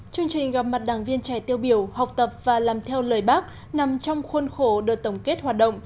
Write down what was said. chương trình gặp mặt đảng viên trẻ tiêu biểu học tập và làm theo lời bác nằm trong khuôn khổ đợt tổng kết hoạt động